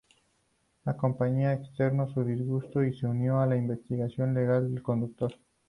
La compañía externo su disgusto y se unió a la investigación legar del conductor.